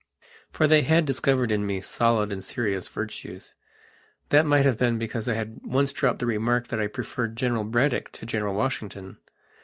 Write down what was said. For they had discovered in me solid and serious virtues. That might have been because I had once dropped the remark that I preferred General Braddock to General Washington.